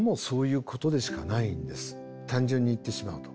単純に言ってしまうと。